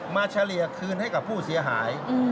เฉลี่ยคืนให้กับผู้เสียหาย